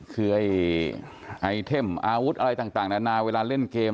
คือไอ้ไอเทมอาวุธอะไรต่างนานาเวลาเล่นเกม